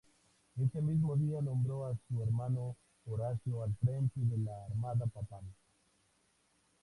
Ese mismo día nombró a su hermano Horacio al frente de la armada papal.